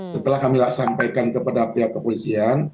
setelah kami sampaikan kepada pihak kepolisian